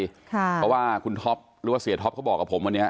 เพราะว่าคุณท็อปหรือว่าเสียท็อปเขาบอกกับผมวันนี้